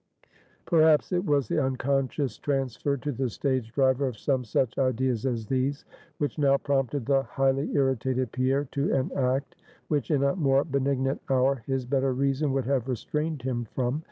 Perhaps it was the unconscious transfer to the stage driver of some such ideas as these, which now prompted the highly irritated Pierre to an act, which, in a more benignant hour, his better reason would have restrained him from.